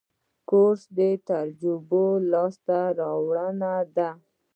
کورس د تجربې لاسته راوړنه ده.